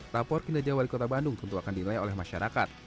rapor kinerja wali kota bandung tentu akan dinilai oleh masyarakat